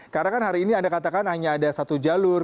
karena kan hari ini anda katakan hanya ada satu jalur